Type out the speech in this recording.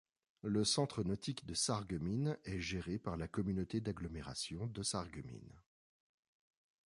Le centre nautique de Sarreguemines est géré par la communauté d'agglomération de Sarreguemines.